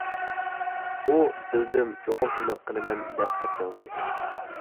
ئۇ «بىلدىم، چوقۇم شۇنداق قىلىمەن. » دەپ خەت يازدى.